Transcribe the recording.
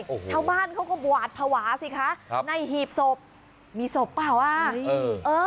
โอ้โหชาวบ้านเขาก็หวาดภาวะสิคะครับในหีบศพมีศพเปล่าอ่ะเออเออ